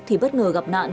thì bất ngờ gặp nạn